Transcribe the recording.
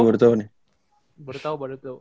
baru tau baru tau